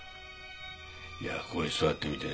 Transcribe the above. いやここに座ってみてね